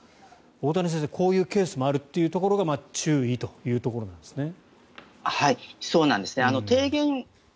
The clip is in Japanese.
大谷先生、こういうケースもあるというところが注意というところなんですね。